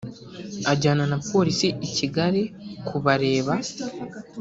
ajyana na polisi i Kigali kubareba